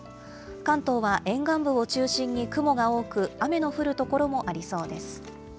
関東は沿岸部を中心に雲が多く、雨の降る所もありそうです。